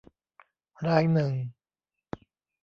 รายหนึ่ง